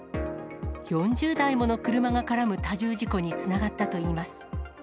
４０台もの車が絡む多重事故につながったといいます。